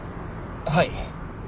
はい。